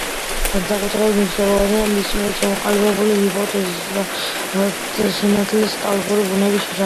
განსაკუთრებით მნიშვნელოვანია მის მიერ ჩამოყალიბებული ჰიპოთეზა სინათლის ტალღური ბუნების შესახებ.